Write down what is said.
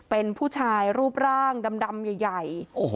เป็นผู้ชายรูปร่างดำใหญ่